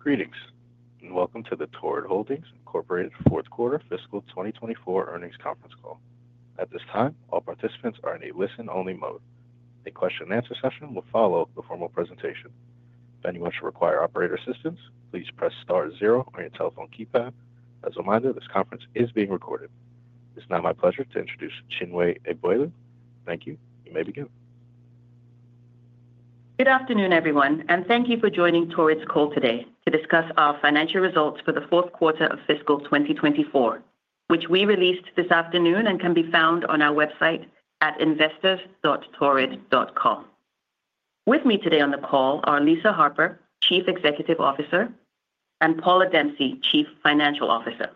Greetings and welcome to the Torrid Holdings Fourth Quarter Fiscal 2024 Earnings Conference Call. At this time, all participants are in a listen-only mode. A question-and-answer session will follow the formal presentation. If anyone should require operator assistance, please press star zero on your telephone keypad. As a reminder, this conference is being recorded. It's now my pleasure to introduce Chinwe Abaelu. Thank you. You may begin. Good afternoon, everyone, and thank you for joining Torrid's call today to discuss our financial results for the fourth quarter of fiscal 2024, which we released this afternoon and can be found on our website at investors.torrid.com. With me today on the call are Lisa Harper, Chief Executive Officer, and Paula Dempsey, Chief Financial Officer.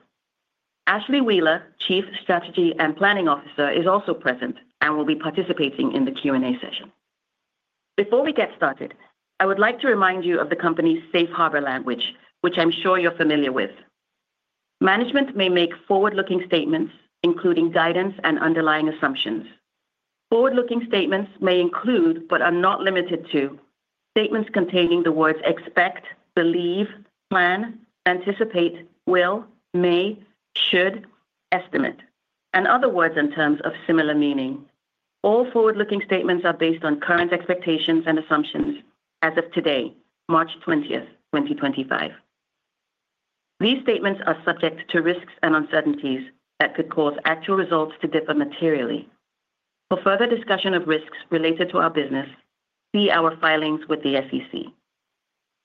Ashlee Wheeler, Chief Strategy and Planning Officer, is also present and will be participating in the Q&A session. Before we get started, I would like to remind you of the company's safe harbor language, which I'm sure you're familiar with. Management may make forward-looking statements, including guidance and underlying assumptions. Forward-looking statements may include, but are not limited to, statements containing the words expect, believe, plan, anticipate, will, may, should, estimate, and other words in terms of similar meaning. All forward-looking statements are based on current expectations and assumptions as of today, March 20th, 2025. These statements are subject to risks and uncertainties that could cause actual results to differ materially. For further discussion of risks related to our business, see our filings with the SEC.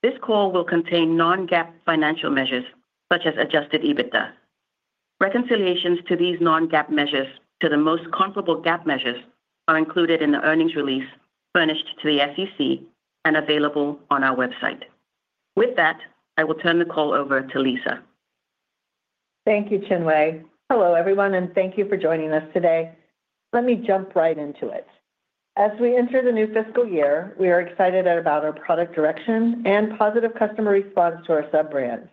This call will contain non-GAAP financial measures such as adjusted EBITDA. Reconciliations to these non-GAAP measures to the most comparable GAAP measures are included in the earnings release furnished to the SEC and available on our website. With that, I will turn the call over to Lisa. Thank you, Chinwe Abaelu. Hello, everyone, and thank you for joining us today. Let me jump right into it. As we enter the new fiscal year, we are excited about our product direction and positive customer response to our sub-brands.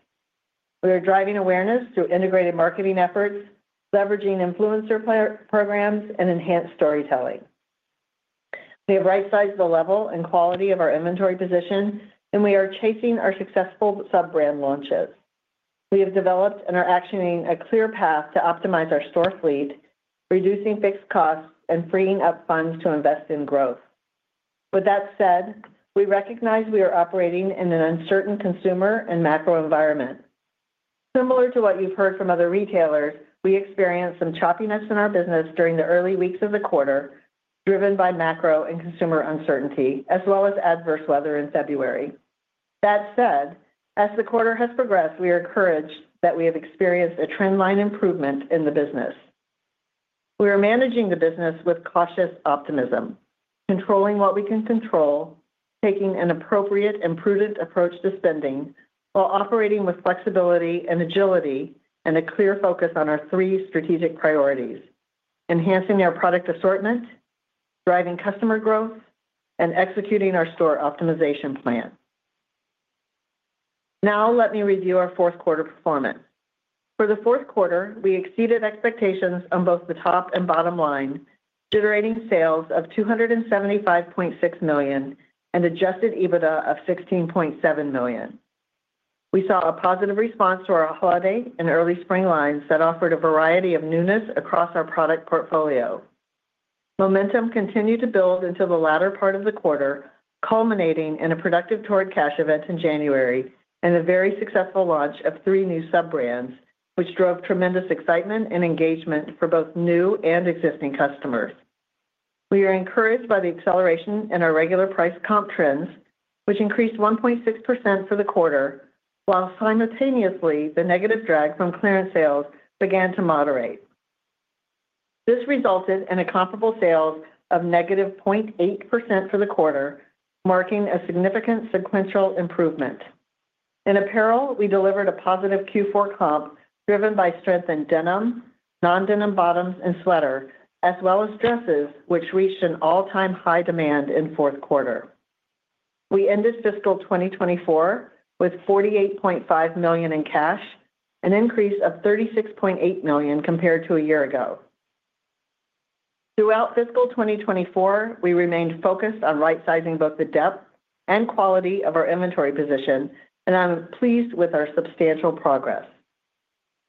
We are driving awareness through integrated marketing efforts, leveraging influencer programs, and enhanced storytelling. We have right-sized the level and quality of our inventory position, and we are chasing our successful sub-brand launches. We have developed and are actioning a clear path to optimize our store fleet, reducing fixed costs and freeing up funds to invest in growth. With that said, we recognize we are operating in an uncertain consumer and macro environment. Similar to what you've heard from other retailers, we experienced some choppiness in our business during the early weeks of the quarter, driven by macro and consumer uncertainty, as well as adverse weather in February. That said, as the quarter has progressed, we are encouraged that we have experienced a trendline improvement in the business. We are managing the business with cautious optimism, controlling what we can control, taking an appropriate and prudent approach to spending, while operating with flexibility and agility and a clear focus on our three strategic priorities: enhancing our product assortment, driving customer growth, and executing our store optimization plan. Now, let me review our fourth quarter performance. For the fourth quarter, we exceeded expectations on both the top and bottom line, generating sales of $275.6 million and adjusted EBITDA of $16.7 million. We saw a positive response to our holiday and early spring lines that offered a variety of newness across our product portfolio. Momentum continued to build into the latter part of the quarter, culminating in a productive Torrid Cash event in January and a very successful launch of three new sub-brands, which drove tremendous excitement and engagement for both new and existing customers. We are encouraged by the acceleration in our regular price comp trends, which increased 1.6% for the quarter, while simultaneously the negative drag from clearance sales began to moderate. This resulted in a comparable sales of negative 0.8% for the quarter, marking a significant sequential improvement. In apparel, we delivered a positive Q4 comp driven by strength in denim, non-denim bottoms, and sweaters, as well as dresses, which reached an all-time high demand in fourth quarter. We ended fiscal 2024 with $48.5 million in cash, an increase of $36.8 million compared to a year ago. Throughout fiscal 2024, we remained focused on right-sizing both the depth and quality of our inventory position, and I'm pleased with our substantial progress.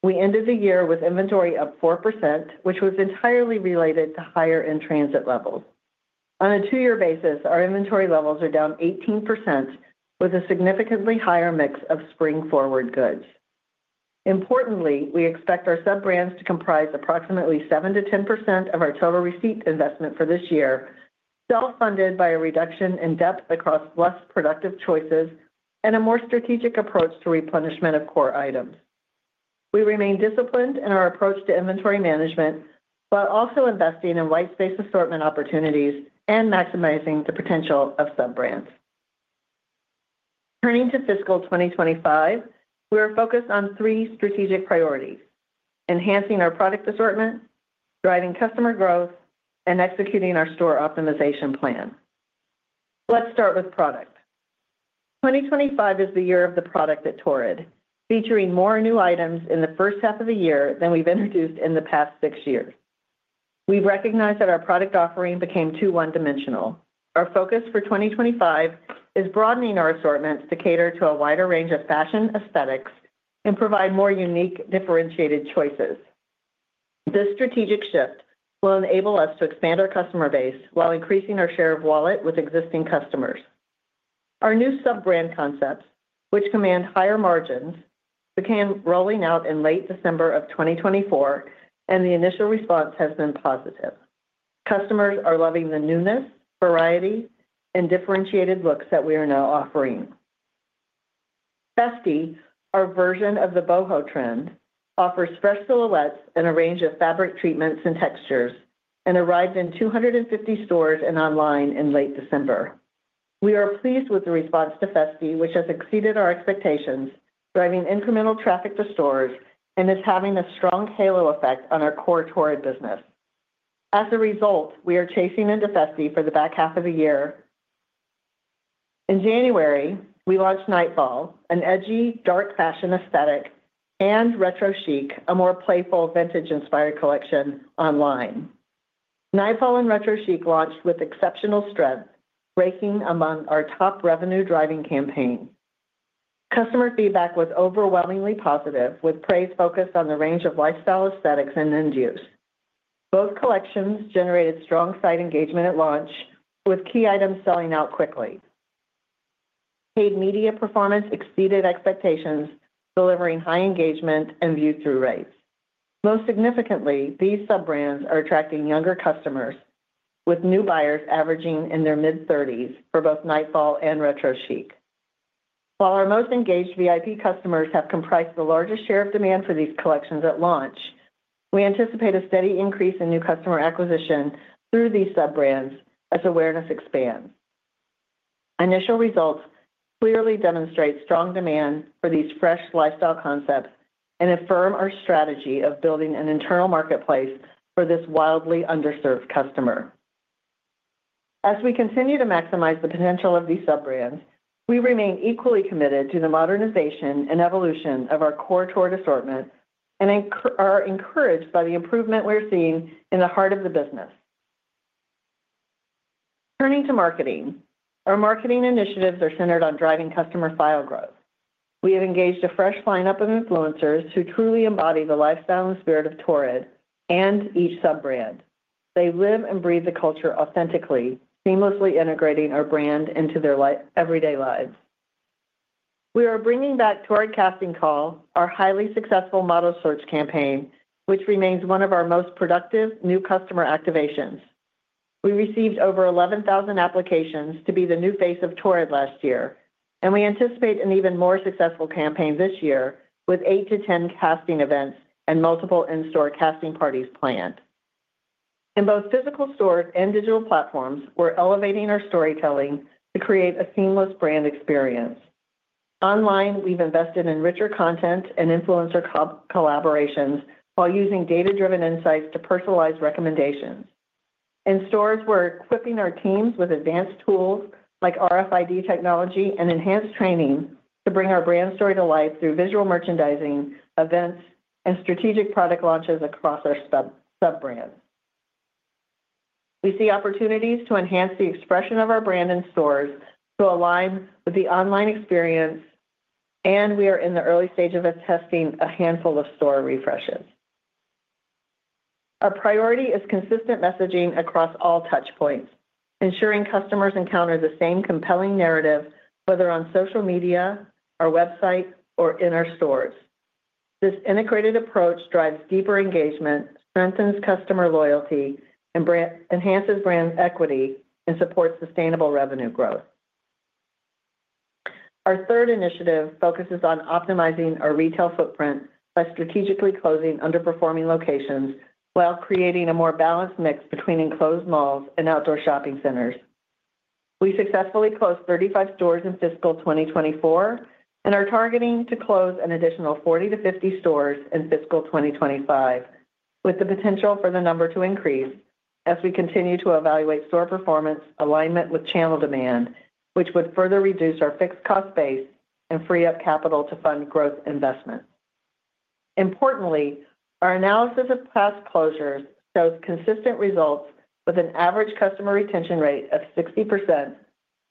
We ended the year with inventory up 4%, which was entirely related to higher in-transit levels. On a two-year basis, our inventory levels are down 18%, with a significantly higher mix of spring-forward goods. Importantly, we expect our sub-brands to comprise approximately 7%-10% of our total receipt investment for this year, self-funded by a reduction in depth across less productive choices and a more strategic approach to replenishment of core items. We remain disciplined in our approach to inventory management while also investing in white space assortment opportunities and maximizing the potential of sub-brands. Turning to fiscal 2025, we are focused on three strategic priorities: enhancing our product assortment, driving customer growth, and executing our store optimization plan. Let's start with product. 2025 is the year of the product at Torrid, featuring more new items in the first half of the year than we've introduced in the past six years. We've recognized that our product offering became too one-dimensional. Our focus for 2025 is broadening our assortments to cater to a wider range of fashion aesthetics and provide more unique, differentiated choices. This strategic shift will enable us to expand our customer base while increasing our share of wallet with existing customers. Our new sub-brand concepts, which command higher margins, began rolling out in late December of 2024, and the initial response has been positive. Customers are loving the newness, variety, and differentiated looks that we are now offering. Festi, our version of the boho trend, offers fresh silhouettes and a range of fabric treatments and textures and arrived in 250 stores and online in late December. We are pleased with the response to Festi, which has exceeded our expectations, driving incremental traffic to stores and is having a strong halo effect on our core Torrid business. As a result, we are chasing into Festi for the back half of the year. In January, we launched Nightfall, an edgy, dark fashion aesthetic, and Retro Chic, a more playful, vintage-inspired collection online. Nightfall and Retro Chic launched with exceptional strength, ranking among our top revenue-driving campaigns. Customer feedback was overwhelmingly positive, with praise focused on the range of lifestyle aesthetics and end use. Both collections generated strong site engagement at launch, with key items selling out quickly. Paid media performance exceeded expectations, delivering high engagement and view-through rates. Most significantly, these sub-brands are attracting younger customers, with new buyers averaging in their mid-30s for both Nightfall and Retro Chic. While our most engaged VIP customers have comprised the largest share of demand for these collections at launch, we anticipate a steady increase in new customer acquisition through these sub-brands as awareness expands. Initial results clearly demonstrate strong demand for these fresh lifestyle concepts and affirm our strategy of building an internal marketplace for this wildly underserved customer. As we continue to maximize the potential of these sub-brands, we remain equally committed to the modernization and evolution of our core Torrid assortment and are encouraged by the improvement we're seeing in the heart of the business. Turning to marketing, our marketing initiatives are centered on driving customer file growth. We have engaged a fresh lineup of influencers who truly embody the lifestyle and spirit of Torrid and each sub-brand. They live and breathe the culture authentically, seamlessly integrating our brand into their everyday lives. We are bringing back Torrid Casting Call, our highly successful model search campaign, which remains one of our most productive new customer activations. We received over 11,000 applications to be the new face of Torrid last year, and we anticipate an even more successful campaign this year with 8-10 casting events and multiple in-store casting parties planned. In both physical stores and digital platforms, we're elevating our storytelling to create a seamless brand experience. Online, we've invested in richer content and influencer collaborations while using data-driven insights to personalize recommendations. In stores, we're equipping our teams with advanced tools like RFID technology and enhanced training to bring our brand story to life through visual merchandising, events, and strategic product launches across our sub-brands. We see opportunities to enhance the expression of our brand in stores to align with the online experience, and we are in the early stage of testing a handful of store refreshes. Our priority is consistent messaging across all touchpoints, ensuring customers encounter the same compelling narrative, whether on social media, our website, or in our stores. This integrated approach drives deeper engagement, strengthens customer loyalty, enhances brand equity, and supports sustainable revenue growth. Our third initiative focuses on optimizing our retail footprint by strategically closing underperforming locations while creating a more balanced mix between enclosed malls and outdoor shopping centers. We successfully closed 35 stores in fiscal 2024 and are targeting to close an additional 40-50 stores in fiscal 2025, with the potential for the number to increase as we continue to evaluate store performance alignment with channel demand, which would further reduce our fixed cost base and free up capital to fund growth investments. Importantly, our analysis of past closures shows consistent results with an average customer retention rate of 60%,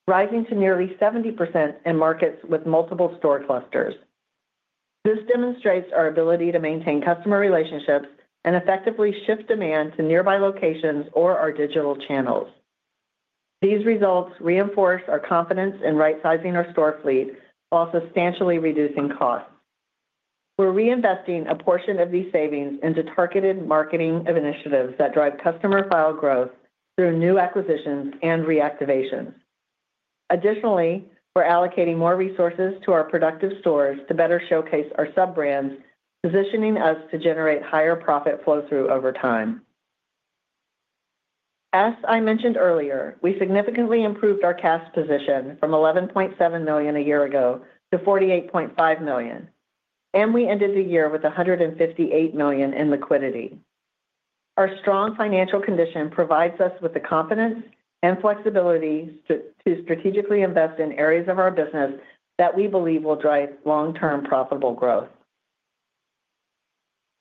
rising to nearly 70% in markets with multiple store clusters. This demonstrates our ability to maintain customer relationships and effectively shift demand to nearby locations or our digital channels. These results reinforce our confidence in right-sizing our store fleet while substantially reducing costs. We're reinvesting a portion of these savings into targeted marketing initiatives that drive customer file growth through new acquisitions and reactivations. Additionally, we're allocating more resources to our productive stores to better showcase our sub-brands, positioning us to generate higher profit flow-through over time. As I mentioned earlier, we significantly improved our cash position from $11.7 million a year ago to $48.5 million, and we ended the year with $158 million in liquidity. Our strong financial condition provides us with the confidence and flexibility to strategically invest in areas of our business that we believe will drive long-term profitable growth.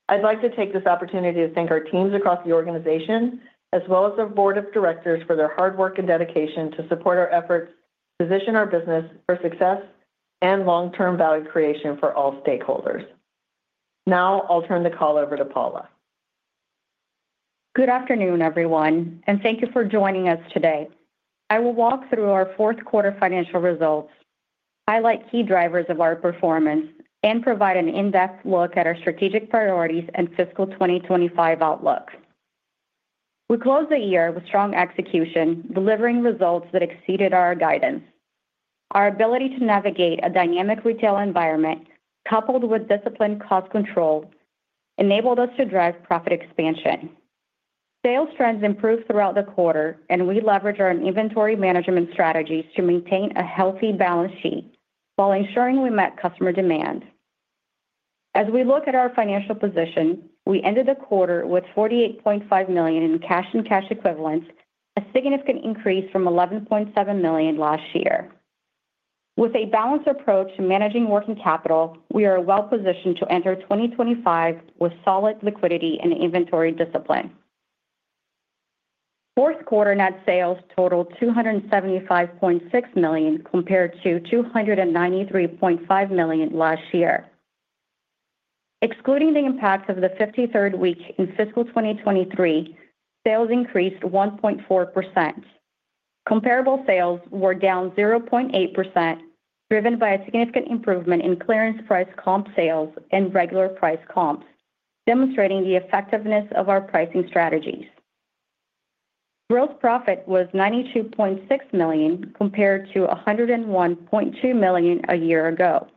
I'd like to take this opportunity to thank our teams across the organization, as well as the board of directors, for their hard work and dedication to support our efforts, position our business for success, and long-term value creation for all stakeholders. Now, I'll turn the call over to Paula. Good afternoon, everyone, and thank you for joining us today. I will walk through our fourth quarter financial results, highlight key drivers of our performance, and provide an in-depth look at our strategic priorities and fiscal 2025 outlook. We closed the year with strong execution, delivering results that exceeded our guidance. Our ability to navigate a dynamic retail environment, coupled with disciplined cost control, enabled us to drive profit expansion. Sales trends improved throughout the quarter, and we leveraged our inventory management strategies to maintain a healthy balance sheet while ensuring we met customer demand. As we look at our financial position, we ended the quarter with $48.5 million in cash and cash equivalents, a significant increase from $11.7 million last year. With a balanced approach to managing working capital, we are well-positioned to enter 2025 with solid liquidity and inventory discipline. Fourth quarter net sales totaled $275.6 million compared to $293.5 million last year. Excluding the impact of the 53rd week in fiscal 2023, sales increased 1.4%. Comparable sales were down 0.8%, driven by a significant improvement in clearance price comp sales and regular price comps, demonstrating the effectiveness of our pricing strategies. Gross profit was $92.6 million compared to $101.2 million a year ago.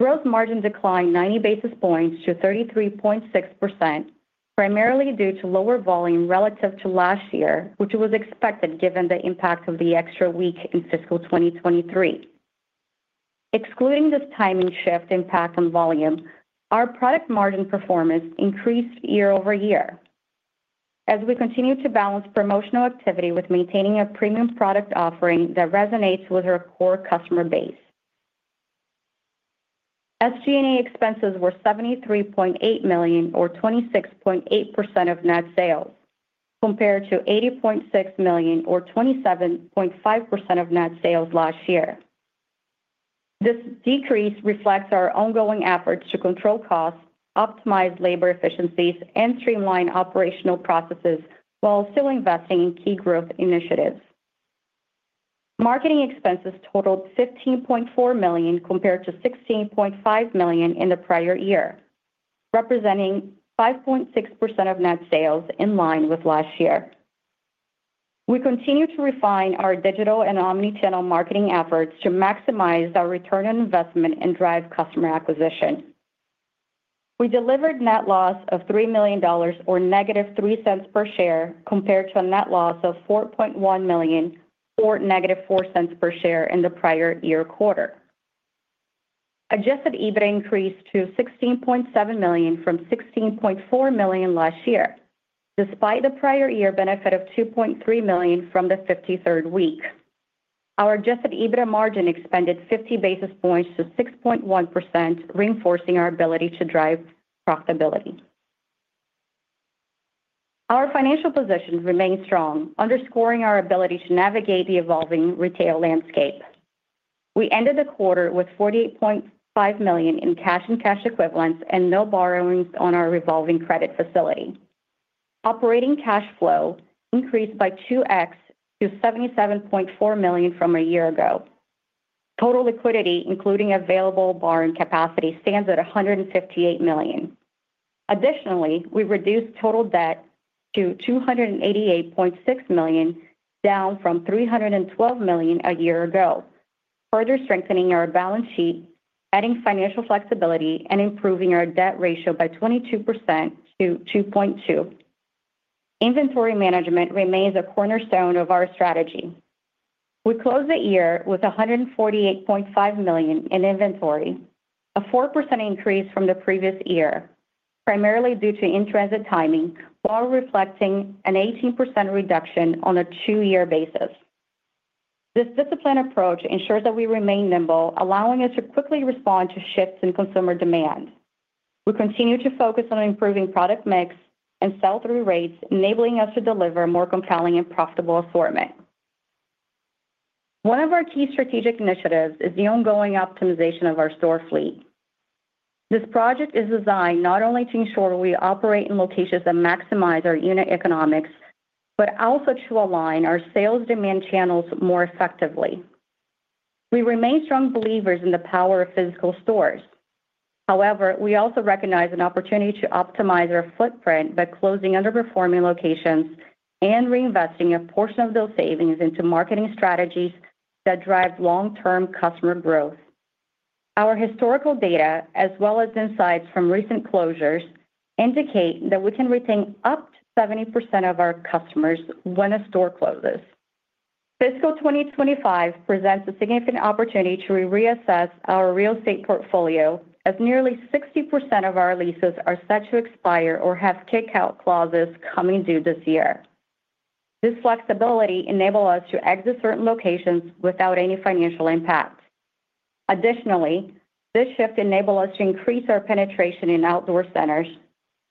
Gross margin declined 90 basis points to 33.6%, primarily due to lower volume relative to last year, which was expected given the impact of the extra week in fiscal 2023. Excluding this timing shift impact on volume, our product margin performance increased year over year. As we continue to balance promotional activity with maintaining a premium product offering that resonates with our core customer base, SG&A expenses were $73.8 million, or 26.8% of net sales, compared to $80.6 million, or 27.5% of net sales last year. This decrease reflects our ongoing efforts to control costs, optimize labor efficiencies, and streamline operational processes while still investing in key growth initiatives. Marketing expenses totaled $15.4 million compared to $16.5 million in the prior year, representing 5.6% of net sales in line with last year. We continue to refine our digital and omnichannel marketing efforts to maximize our return on investment and drive customer acquisition. We delivered net loss of $3 million, or negative $0.03 per share, compared to a net loss of $4.1 million, or negative $0.04 per share in the prior year quarter. Adjusted EBITDA increased to $16.7 million from $16.4 million last year, despite the prior year benefit of $2.3 million from the 53rd week. Our adjusted EBITDA margin expanded 50 basis points to 6.1%, reinforcing our ability to drive profitability. Our financial position remains strong, underscoring our ability to navigate the evolving retail landscape. We ended the quarter with $48.5 million in cash and cash equivalents and no borrowings on our revolving credit facility. Operating cash flow increased by 2x to $77.4 million from a year ago. Total liquidity, including available borrowing capacity, stands at $158 million. Additionally, we reduced total debt to $288.6 million, down from $312 million a year ago, further strengthening our balance sheet, adding financial flexibility, and improving our debt ratio by 22% to 2.2. Inventory management remains a cornerstone of our strategy. We closed the year with $148.5 million in inventory, a 4% increase from the previous year, primarily due to in-transit timing while reflecting an 18% reduction on a two-year basis. This disciplined approach ensures that we remain nimble, allowing us to quickly respond to shifts in consumer demand. We continue to focus on improving product mix and sell-through rates, enabling us to deliver more compelling and profitable assortment. One of our key strategic initiatives is the ongoing optimization of our store fleet. This project is designed not only to ensure we operate in locations that maximize our unit economics, but also to align our sales demand channels more effectively. We remain strong believers in the power of physical stores. However, we also recognize an opportunity to optimize our footprint by closing underperforming locations and reinvesting a portion of those savings into marketing strategies that drive long-term customer growth. Our historical data, as well as insights from recent closures, indicate that we can retain up to 70% of our customers when a store closes. Fiscal 2025 presents a significant opportunity to reassess our real estate portfolio, as nearly 60% of our leases are set to expire or have kickout clauses coming due this year. This flexibility enables us to exit certain locations without any financial impact. Additionally, this shift enables us to increase our penetration in outdoor centers,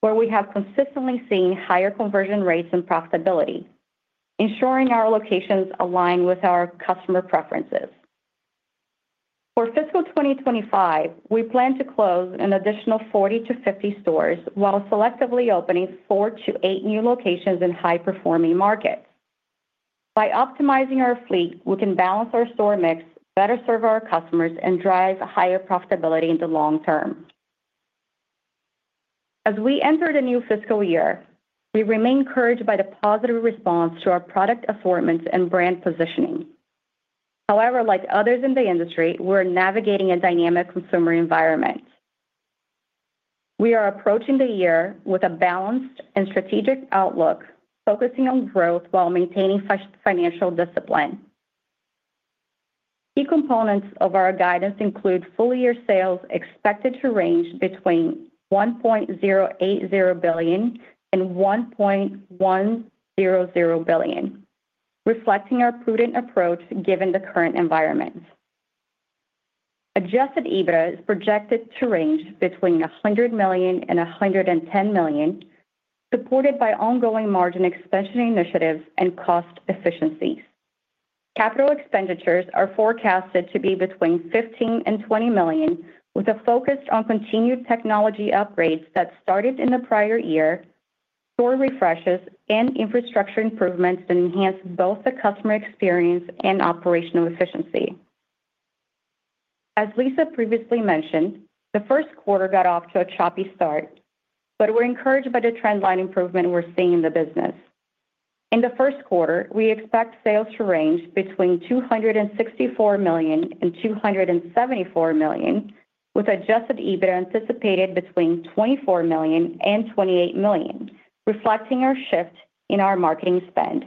where we have consistently seen higher conversion rates and profitability, ensuring our locations align with our customer preferences. For fiscal 2025, we plan to close an additional 40-50 stores while selectively opening 4-8 new locations in high-performing markets. By optimizing our fleet, we can balance our store mix, better serve our customers, and drive higher profitability in the long term. As we enter the new fiscal year, we remain encouraged by the positive response to our product assortments and brand positioning. However, like others in the industry, we're navigating a dynamic consumer environment. We are approaching the year with a balanced and strategic outlook, focusing on growth while maintaining financial discipline. Key components of our guidance include full-year sales expected to range between $1.080 billion and $1.100 billion, reflecting our prudent approach given the current environment. Adjusted EBITDA is projected to range between $100 million and $110 million, supported by ongoing margin expansion initiatives and cost efficiencies. Capital expenditures are forecasted to be between $15 million and $20 million, with a focus on continued technology upgrades that started in the prior year, store refreshes, and infrastructure improvements that enhance both the customer experience and operational efficiency. As Lisa previously mentioned, the first quarter got off to a choppy start, but we're encouraged by the trendline improvement we're seeing in the business. In the first quarter, we expect sales to range between $264 million and $274 million, with adjusted EBITDA anticipated between $24 million and $28 million, reflecting our shift in our marketing spend.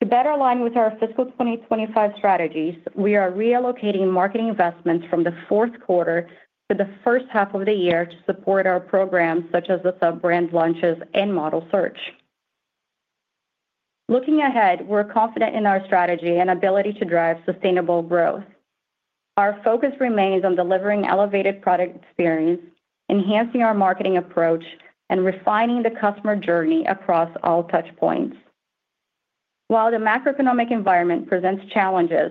To better align with our fiscal 2025 strategies, we are reallocating marketing investments from the fourth quarter to the first half of the year to support our programs, such as the sub-brand launches and model search. Looking ahead, we're confident in our strategy and ability to drive sustainable growth. Our focus remains on delivering elevated product experience, enhancing our marketing approach, and refining the customer journey across all touchpoints. While the macroeconomic environment presents challenges,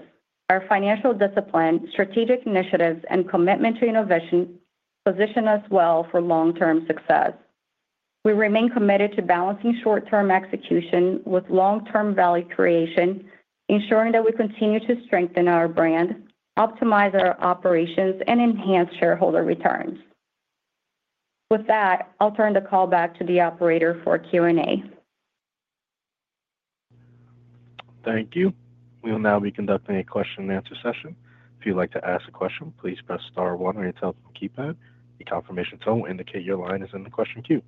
our financial discipline, strategic initiatives, and commitment to innovation position us well for long-term success. We remain committed to balancing short-term execution with long-term value creation, ensuring that we continue to strengthen our brand, optimize our operations, and enhance shareholder returns. With that, I'll turn the call back to the operator for Q&A. Thank you. We will now be conducting a question-and-answer session. If you'd like to ask a question, please press Star 1 on your telephone keypad. The confirmation tone will indicate your line is in the question queue.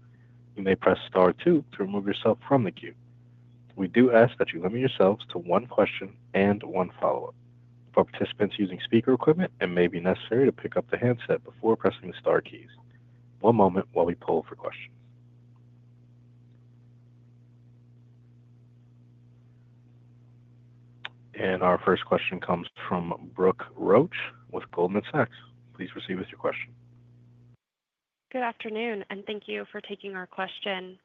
You may press Star 2 to remove yourself from the queue. We do ask that you limit yourselves to one question and one follow-up. For participants using speaker equipment, it may be necessary to pick up the handset before pressing the Star keys. One moment while we pull for questions. Our first question comes from Brooke Roach with Goldman Sachs. Please proceed with your question. Good afternoon, and thank you for taking our question.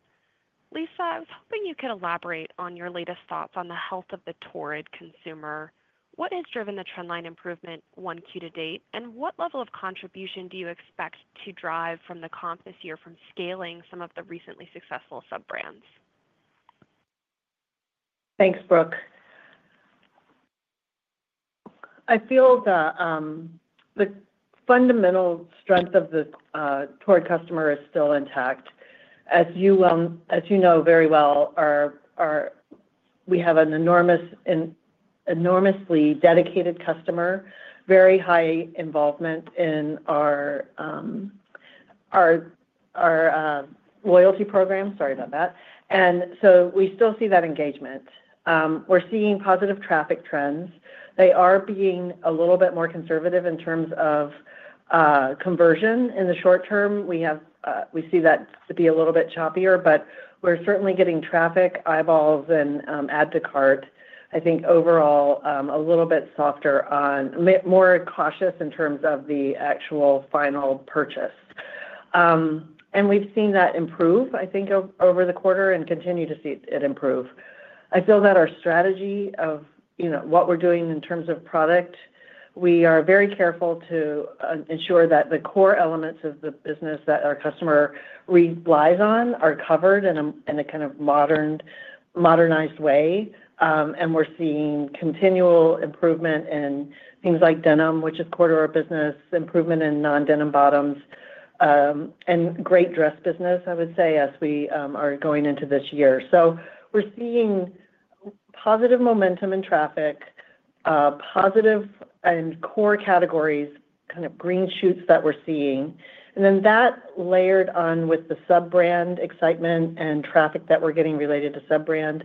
Lisa, I was hoping you could elaborate on your latest thoughts on the health of the Torrid consumer. What has driven the trendline improvement one Q to date, and what level of contribution do you expect to drive from the comp this year from scaling some of the recently successful sub-brands? Thanks, Brooke. I feel the fundamental strength of the Torrid customer is still intact. As you know very well, we have an enormously dedicated customer, very high involvement in our loyalty program. Sorry about that. We still see that engagement. We're seeing positive traffic trends. They are being a little bit more conservative in terms of conversion in the short term. We see that to be a little bit choppier, but we're certainly getting traffic, eyeballs, and add-to-cart, I think overall a little bit softer, more cautious in terms of the actual final purchase. We've seen that improve, I think, over the quarter and continue to see it improve. I feel that our strategy of what we're doing in terms of product, we are very careful to ensure that the core elements of the business that our customer relies on are covered in a kind of modernized way. We are seeing continual improvement in things like denim, which is core to our business, improvement in non-denim bottoms, and great dress business, I would say, as we are going into this year. We are seeing positive momentum in traffic, positive and core categories, kind of green shoots that we're seeing. That layered on with the sub-brand excitement and traffic that we're getting related to sub-brand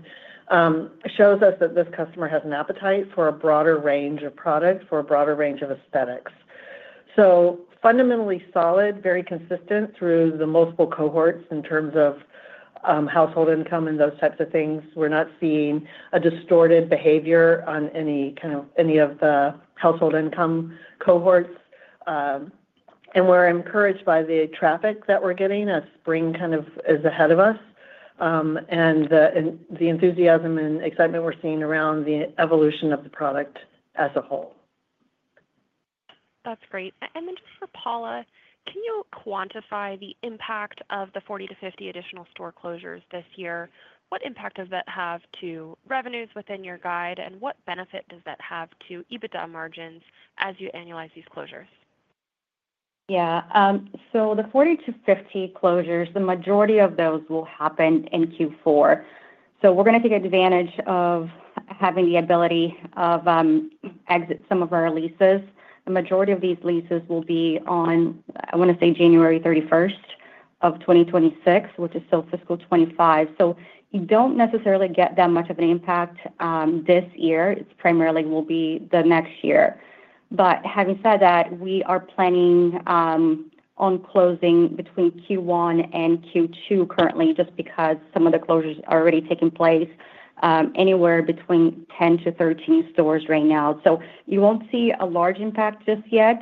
shows us that this customer has an appetite for a broader range of products, for a broader range of aesthetics. Fundamentally solid, very consistent through the multiple cohorts in terms of household income and those types of things. We're not seeing a distorted behavior on any of the household income cohorts. We're encouraged by the traffic that we're getting as spring kind of is ahead of us and the enthusiasm and excitement we're seeing around the evolution of the product as a whole. That's great. Just for Paula, can you quantify the impact of the 40-50 additional store closures this year? What impact does that have to revenues within your guide, and what benefit does that have to EBITDA margins as you annualize these closures? Yeah. The 40-50 closures, the majority of those will happen in Q4. We're going to take advantage of having the ability to exit some of our leases. The majority of these leases will be on, I want to say, January 31, 2026, which is still fiscal 2025. You do not necessarily get that much of an impact this year. It primarily will be the next year. Having said that, we are planning on closing between Q1 and Q2 currently, just because some of the closures are already taking place anywhere between 10-13 stores right now. You will not see a large impact just yet.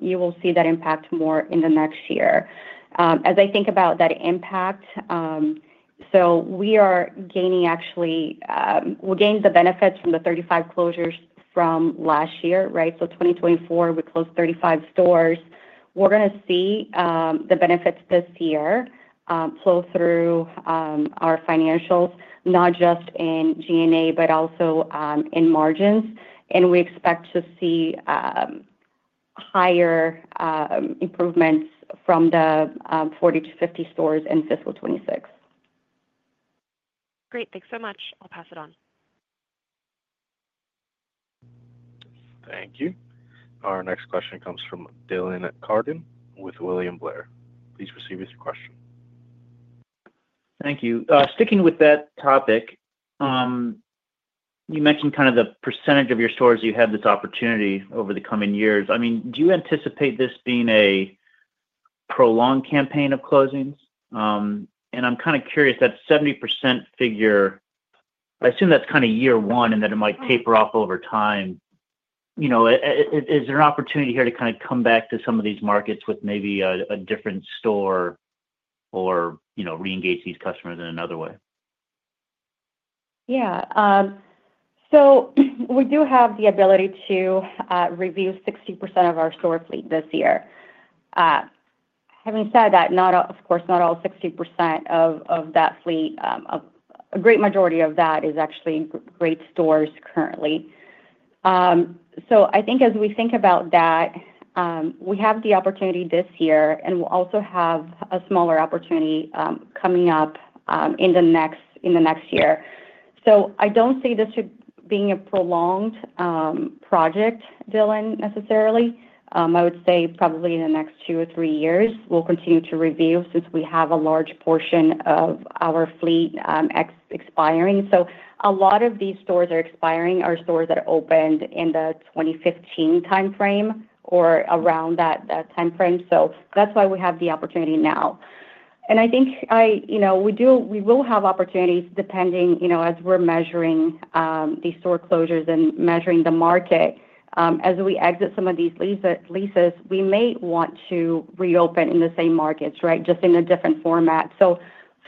You will see that impact more in the next year. As I think about that impact, we are gaining, actually we will gain the benefits from the 35 closures from last year, right? In 2024, we closed 35 stores. We are going to see the benefits this year flow through our financials, not just in G&A, but also in margins. We expect to see higher improvements from the 40-50 stores in fiscal 2026. Great. Thanks so much. I will pass it on. Thank you. Our next question comes from Dylan Carden with William Blair. Please proceed with your question. Thank you. Sticking with that topic, you mentioned kind of the percentage of your stores you have this opportunity over the coming years. I mean, do you anticipate this being a prolonged campaign of closings? I'm kind of curious, that 70% figure, I assume that's kind of year one and that it might taper off over time. Is there an opportunity here to kind of come back to some of these markets with maybe a different store or re-engage these customers in another way? Yeah. We do have the ability to review 60% of our store fleet this year. Having said that, of course, not all 60% of that fleet, a great majority of that is actually great stores currently. I think as we think about that, we have the opportunity this year, and we'll also have a smaller opportunity coming up in the next year. I don't see this being a prolonged project, Dylan, necessarily. I would say probably in the next two or three years, we'll continue to review since we have a large portion of our fleet expiring. A lot of these stores are expiring, our stores that opened in the 2015 timeframe or around that timeframe. That's why we have the opportunity now. I think we will have opportunities depending as we're measuring these store closures and measuring the market. As we exit some of these leases, we may want to reopen in the same markets, just in a different format.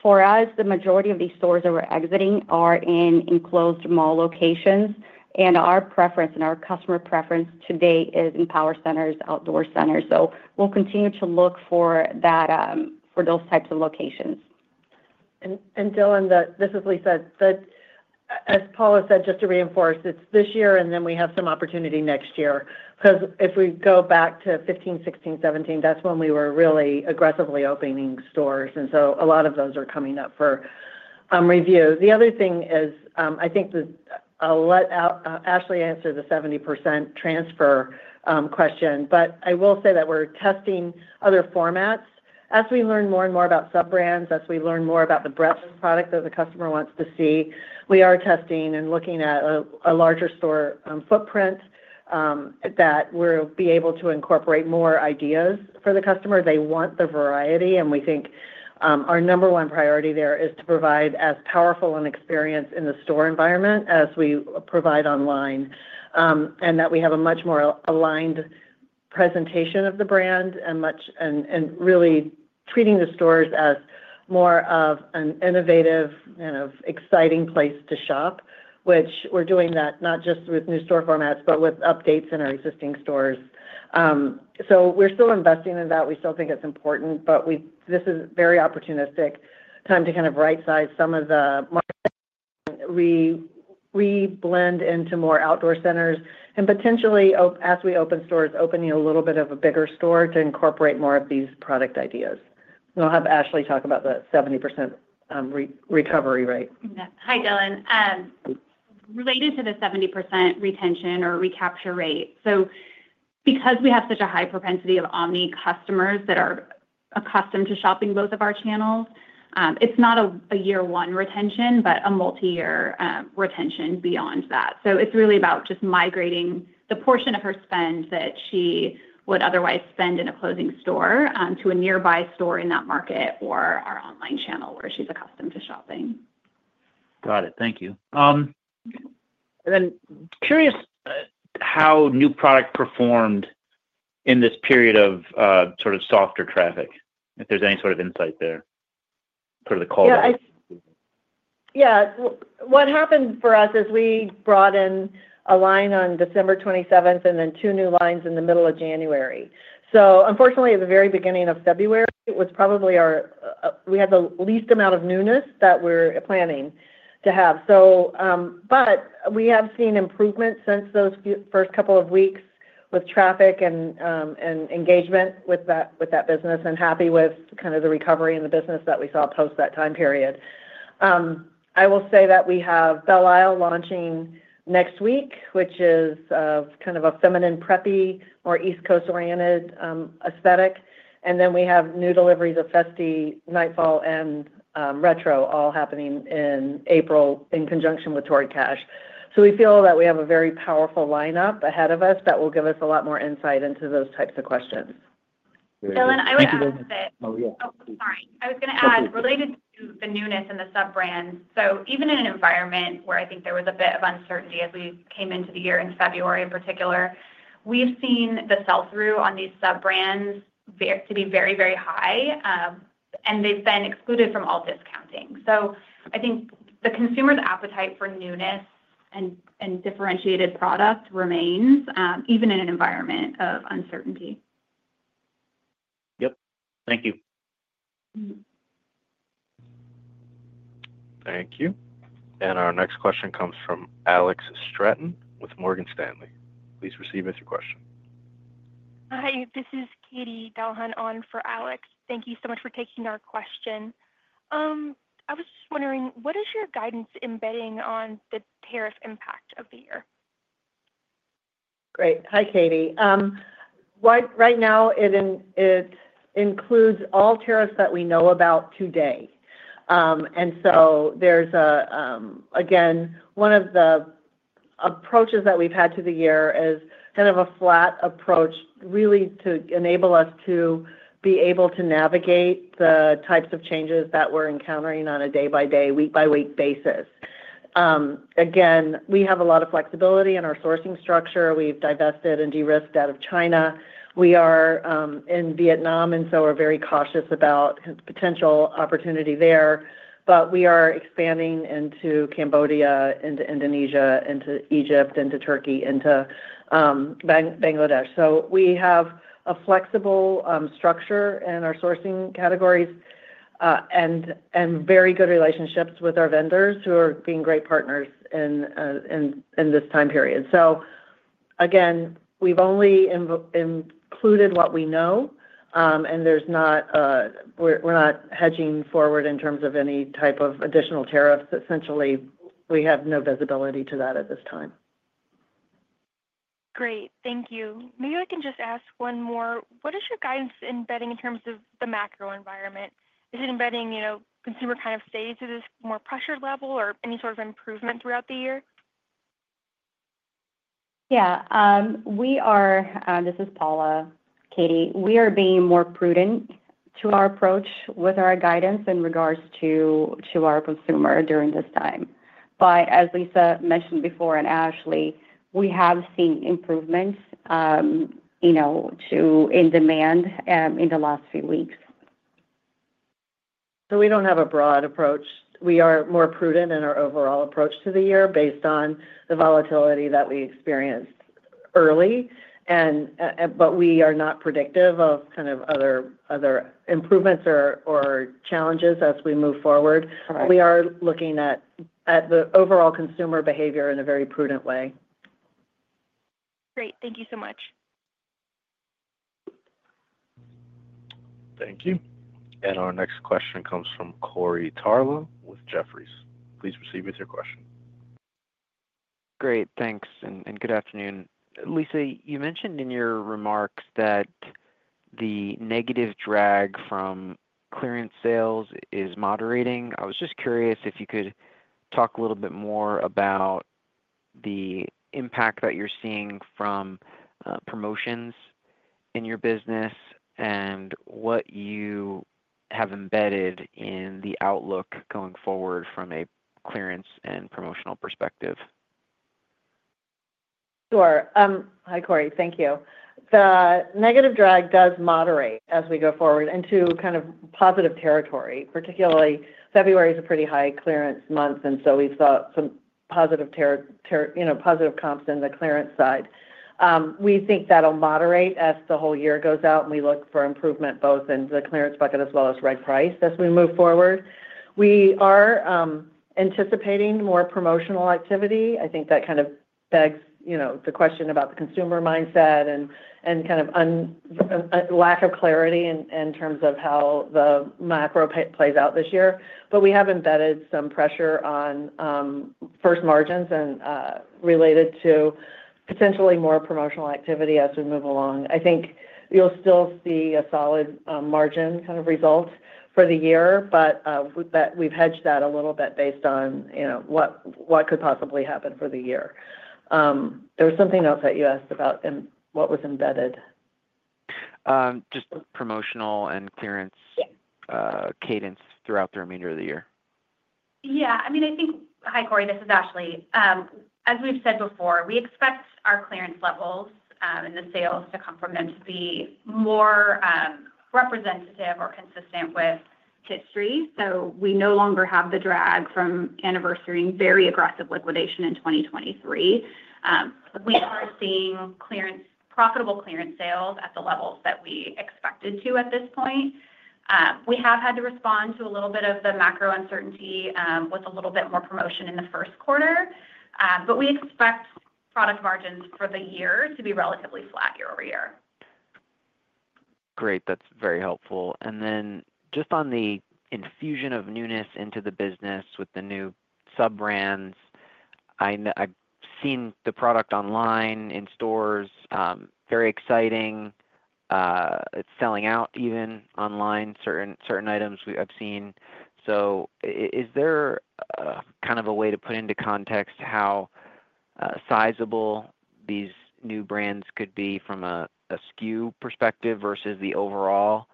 For us, the majority of these stores that we're exiting are in enclosed mall locations. Our preference and our customer preference today is in power centers, outdoor centers. We will continue to look for those types of locations. Dylan, this is Lisa. As Paula said, just to reinforce, it is this year, and then we have some opportunity next year. If we go back to 2015, 2016, 2017, that is when we were really aggressively opening stores. A lot of those are coming up for review. The other thing is I think Ashlee answered the 70% transfer question, but I will say that we are testing other formats. As we learn more and more about sub-brands, as we learn more about the breadth of product that the customer wants to see, we are testing and looking at a larger store footprint that will be able to incorporate more ideas for the customer. They want the variety, and we think our number one priority there is to provide as powerful an experience in the store environment as we provide online, and that we have a much more aligned presentation of the brand and really treating the stores as more of an innovative and exciting place to shop, which we're doing that not just with new store formats, but with updates in our existing stores. We are still investing in that. We still think it's important, but this is a very opportunistic time to kind of right-size some of the market. We re-blend into more outdoor centers and potentially, as we open stores, opening a little bit of a bigger store to incorporate more of these product ideas. We'll have Ashlee talk about the 70% recovery rate. Hi, Dylan. Related to the 70% retention or recapture rate, because we have such a high propensity of omni customers that are accustomed to shopping both of our channels, it is not a year-one retention, but a multi-year retention beyond that. It is really about just migrating the portion of her spend that she would otherwise spend in a closing store to a nearby store in that market or our online channel where she is accustomed to shopping. Got it. Thank you. Curious how new product performed in this period of sort of softer traffic, if there is any sort of insight there for the call. Yeah. What happened for us is we brought in a line on December 27 and then two new lines in the middle of January. Unfortunately, at the very beginning of February, it was probably our we had the least amount of newness that we're planning to have. We have seen improvement since those first couple of weeks with traffic and engagement with that business and happy with kind of the recovery in the business that we saw post that time period. I will say that we have Belle Isle launching next week, which is kind of a feminine preppy or East Coast-oriented aesthetic. We have new deliveries of Festy, Nightfall, and Retro Chic all happening in April in conjunction with Torrid Cash. We feel that we have a very powerful lineup ahead of us that will give us a lot more insight into those types of questions. Dylan, I would add that. Oh, yeah. Sorry. I was going to add related to the newness and the sub-brands. Even in an environment where I think there was a bit of uncertainty as we came into the year in February in particular, we've seen the sell-through on these sub-brands to be very, very high, and they've been excluded from all discounting. I think the consumer's appetite for newness and differentiated product remains even in an environment of uncertainty. Thank you. Thank you. Our next question comes from Alex Stratton with Morgan Stanley. Please proceed with your question. Hi. This is Katie Delahunt on for Alex. Thank you so much for taking our question. I was just wondering, what is your guidance embedding on the tariff impact of the year? Great. Hi, Katie. Right now, it includes all tariffs that we know about today. There's, again, one of the approaches that we've had to the year is kind of a flat approach really to enable us to be able to navigate the types of changes that we're encountering on a day-by-day, week-by-week basis. Again, we have a lot of flexibility in our sourcing structure. We've divested and de-risked out of China. We are in Vietnam, and we're very cautious about potential opportunity there. We are expanding into Cambodia, into Indonesia, into Egypt, into Turkey, into Bangladesh. We have a flexible structure in our sourcing categories and very good relationships with our vendors who are being great partners in this time period. Again, we've only included what we know, and we're not hedging forward in terms of any type of additional tariffs. Essentially, we have no visibility to that at this time. Great. Thank you. Maybe I can just ask one more. What is your guidance embedding in terms of the macro environment? Is it embedding consumer kind of stays at this more pressured level or any sort of improvement throughout the year? Yeah. This is Paula, Katie. We are being more prudent to our approach with our guidance in regards to our consumer during this time. As Lisa mentioned before and Ashlee, we have seen improvements in demand in the last few weeks. We do not have a broad approach. We are more prudent in our overall approach to the year based on the volatility that we experienced early. We are not predictive of kind of other improvements or challenges as we move forward. We are looking at the overall consumer behavior in a very prudent way. Great. Thank you so much. Thank you. Our next question comes from Corey Tarlowe with Jefferies. Please proceed with your question. Great. Thanks. Good afternoon. Lisa, you mentioned in your remarks that the negative drag from clearance sales is moderating. I was just curious if you could talk a little bit more about the impact that you're seeing from promotions in your business and what you have embedded in the outlook going forward from a clearance and promotional perspective. Sure. Hi, Corey. Thank you. The negative drag does moderate as we go forward into kind of positive territory. Particularly, February is a pretty high clearance month, and so we've got some positive comps in the clearance side. We think that'll moderate as the whole year goes out, and we look for improvement both in the clearance bucket as well as reg price as we move forward. We are anticipating more promotional activity. I think that kind of begs the question about the consumer mindset and kind of lack of clarity in terms of how the macro plays out this year. We have embedded some pressure on first margins and related to potentially more promotional activity as we move along. I think you'll still see a solid margin kind of result for the year, but we've hedged that a little bit based on what could possibly happen for the year. There was something else that you asked about and what was embedded. Just promotional and clearance cadence throughout the remainder of the year. Yeah. I mean, I think, hi, Corey. This is Ashlee. As we've said before, we expect our clearance levels and the sales to come from them to be more representative or consistent with history. We no longer have the drag from anniversary and very aggressive liquidation in 2023. We are seeing profitable clearance sales at the levels that we expected to at this point. We have had to respond to a little bit of the macro uncertainty with a little bit more promotion in the first quarter. We expect product margins for the year to be relatively flat year over year. Great. That is very helpful. Then just on the infusion of newness into the business with the new sub-brands, I have seen the product online in stores, very exciting. It is selling out even online, certain items we have seen. Is there kind of a way to put into context how sizable these new brands could be from a SKU perspective versus the overall?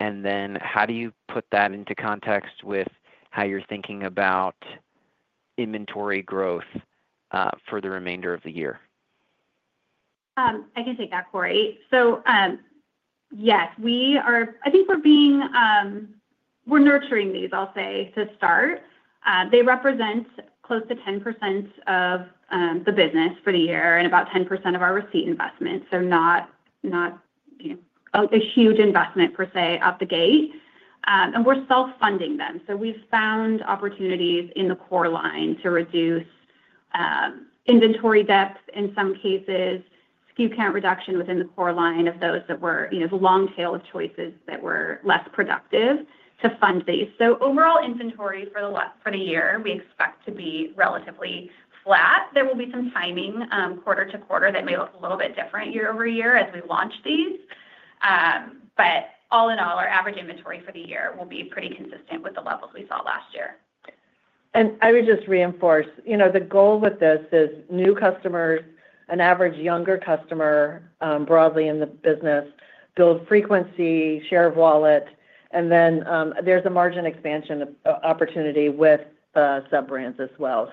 How do you put that into context with how you are thinking about inventory growth for the remainder of the year? I can take that, Corey. Yes, I think we're nurturing these, I'll say, to start. They represent close to 10% of the business for the year and about 10% of our receipt investment. Not a huge investment per se off the gate. We're self-funding them. We've found opportunities in the core line to reduce inventory depth in some cases, SKU count reduction within the core line of those that were the long tail of choices that were less productive to fund these. Overall inventory for the year, we expect to be relatively flat. There will be some timing quarter to quarter that may look a little bit different year over year as we launch these. All in all, our average inventory for the year will be pretty consistent with the levels we saw last year. I would just reinforce the goal with this is new customers, an average younger customer broadly in the business, build frequency, share of wallet, and then there's a margin expansion opportunity with the sub-brands as well.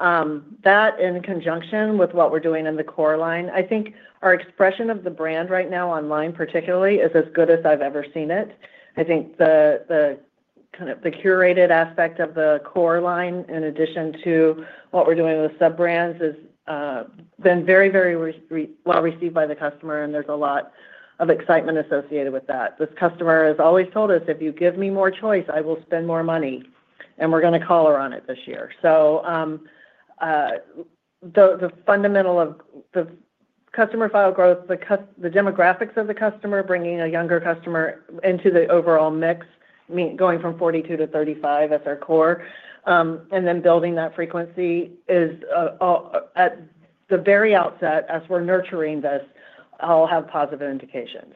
That in conjunction with what we're doing in the core line, I think our expression of the brand right now online particularly is as good as I've ever seen it. I think the kind of curated aspect of the core line, in addition to what we're doing with sub-brands, has been very, very well received by the customer, and there's a lot of excitement associated with that. This customer has always told us, "If you give me more choice, I will spend more money, and we're going to call her on it this year." The fundamental of the customer file growth, the demographics of the customer, bringing a younger customer into the overall mix, going from 42 to 35 as our core, and then building that frequency is at the very outset as we're nurturing this, I'll have positive indications.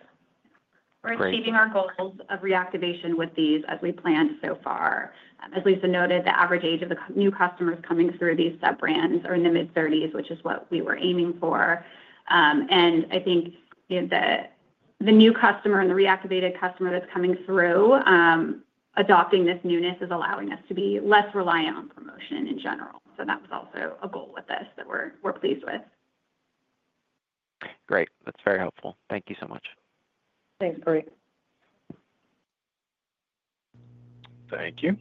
We're achieving our goals of reactivation with these as we planned so far. As Lisa noted, the average age of the new customers coming through these sub-brands are in the mid-30s, which is what we were aiming for. I think the new customer and the reactivated customer that's coming through, adopting this newness is allowing us to be less reliant on promotion in general. That's also a goal with this that we're pleased with. Great. That's very helpful. Thank you so much. Thanks, Cory. Thank you.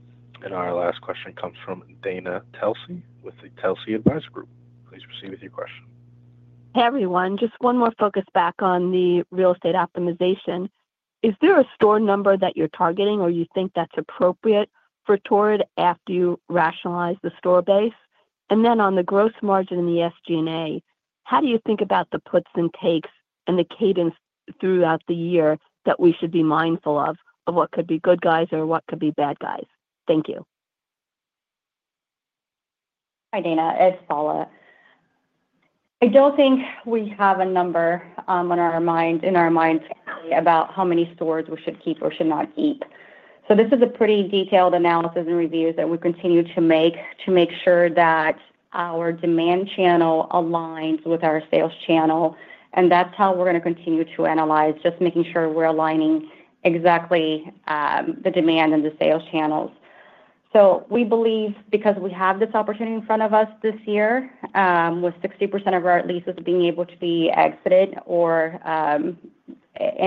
Our last question comes from Dana Telsey with the Telsey Advisory Group. Please proceed with your question. Hey, everyone. Just one more focus back on the real estate optimization. Is there a store number that you're targeting or you think that's appropriate for Torrid after you rationalize the store base? On the gross margin and the SG&A, how do you think about the puts and takes and the cadence throughout the year that we should be mindful of, of what could be good guys or what could be bad guys? Thank you. Hi, Dana. It's Paula. I don't think we have a number in our minds about how many stores we should keep or should not keep. This is a pretty detailed analysis and review that we continue to make to make sure that our demand channel aligns with our sales channel. That is how we're going to continue to analyze, just making sure we're aligning exactly the demand and the sales channels. We believe because we have this opportunity in front of us this year with 60% of our leases being able to be exited and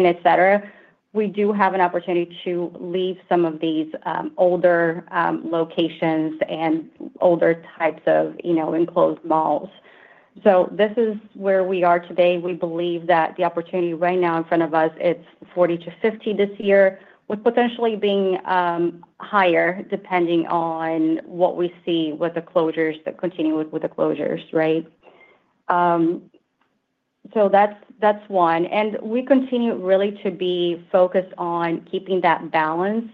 etc., we do have an opportunity to leave some of these older locations and older types of enclosed malls. This is where we are today. We believe that the opportunity right now in front of us, it's 40-50 this year, with potentially being higher depending on what we see with the closures, the continuing with the closures, right? That is one. We continue really to be focused on keeping that balance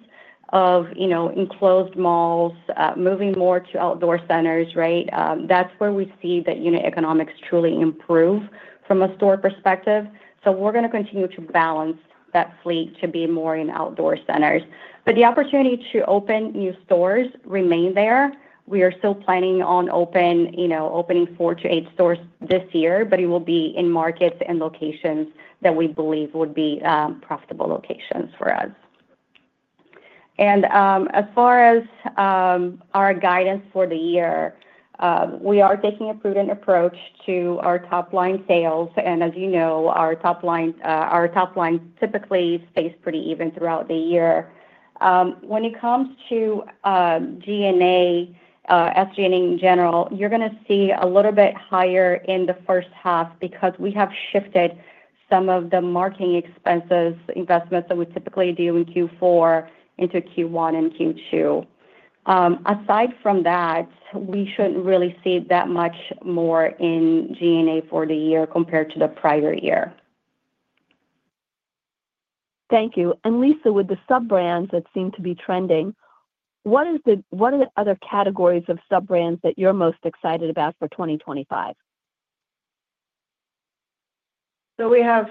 of enclosed malls, moving more to outdoor centers, right? That is where we see that unit economics truly improve from a store perspective. We are going to continue to balance that fleet to be more in outdoor centers. The opportunity to open new stores remains there. We are still planning on opening four to eight stores this year, but it will be in markets and locations that we believe would be profitable locations for us. As far as our guidance for the year, we are taking a prudent approach to our top-line sales. As you know, our top line typically stays pretty even throughout the year. When it comes to G&A, SG&A in general, you're going to see a little bit higher in the first half because we have shifted some of the marketing expenses investments that we typically do in Q4 into Q1 and Q2. Aside from that, we shouldn't really see that much more in G&A for the year compared to the prior year. Thank you. Lisa, with the sub-brands that seem to be trending, what are the other categories of sub-brands that you're most excited about for 2025? We have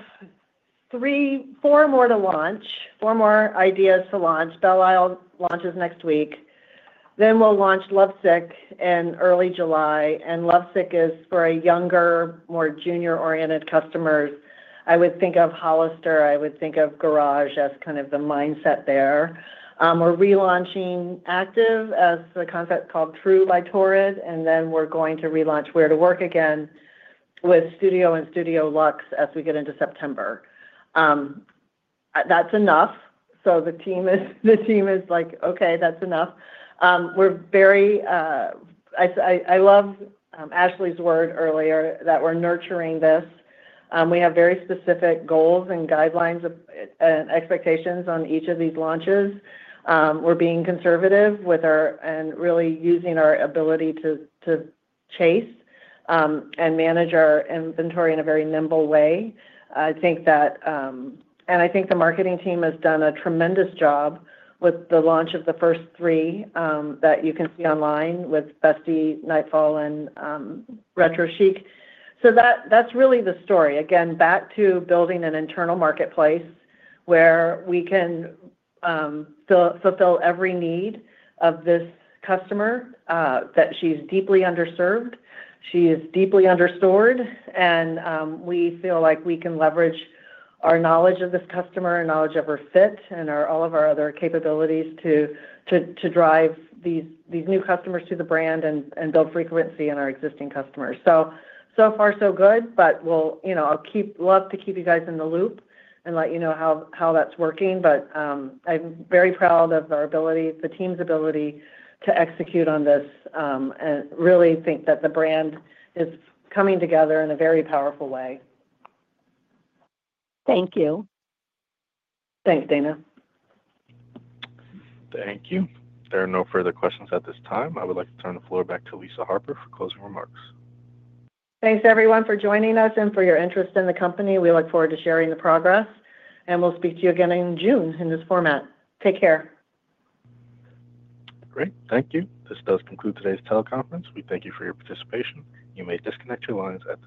four more to launch, four more ideas to launch. Belle Isle launches next week. We will launch Lovesick in early July. Lovesick is for younger, more junior-oriented customers. I would think of Hollister. I would think of Garage as kind of the mindset there. We're relaunching Active as the concept called True by Torrid. We're going to relaunch Wear to Work again with Studio and Studio Luxe as we get into September. That's enough. The team is like, "Okay, that's enough." I love Ashlee's word earlier that we're nurturing this. We have very specific goals and guidelines and expectations on each of these launches. We're being conservative and really using our ability to chase and manage our inventory in a very nimble way. I think that, and I think the marketing team has done a tremendous job with the launch of the first three that you can see online with Festi, Nightfall, and Retro Chic. That's really the story. Again, back to building an internal marketplace where we can fulfill every need of this customer that she's deeply underserved. She is deeply underscored. We feel like we can leverage our knowledge of this customer, our knowledge of her fit, and all of our other capabilities to drive these new customers to the brand and build frequency in our existing customers. So far, so good, but I would love to keep you guys in the loop and let you know how that is working. I am very proud of the team's ability to execute on this and really think that the brand is coming together in a very powerful way. Thank you. Thanks, Dana. Thank you. There are no further questions at this time. I would like to turn the floor back to Lisa Harper for closing remarks. Thanks, everyone, for joining us and for your interest in the company. We look forward to sharing the progress, and we will speak to you again in June in this format. Take care. Great. Thank you. This does conclude today's teleconference. We thank you for your participation. You may disconnect your lines at this time.